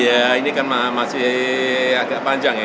ya ini kan masih agak panjang ya